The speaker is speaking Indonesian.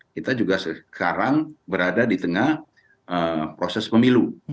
kita juga sekarang berada di tengah proses pemilu